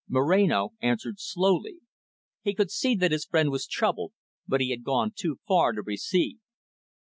Moreno answered slowly. He could see that his friend was troubled, but he had gone too far to recede.